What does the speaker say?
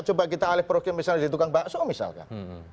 coba kita alih program misalnya di tukang bakso misalkan